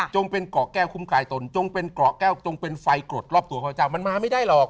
เป็นเกาะแก้วคุ้มกายตนจงเป็นเกาะแก้วจงเป็นไฟกรดรอบตัวข้าพเจ้ามันมาไม่ได้หรอก